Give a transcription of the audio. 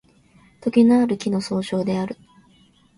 とげのある木の総称である